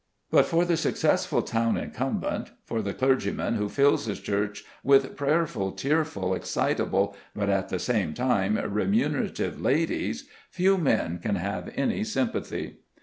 But for the successful town incumbent, for the clergyman who fills his church with prayerful, tearful, excitable, but at the same time remunerative ladies, few men can have any sympathy.